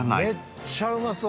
めっちゃうまそう！